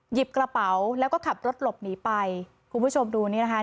หยิบกระเป๋าแล้วก็ขับรถหลบหนีไปคุณผู้ชมดูนี่นะคะ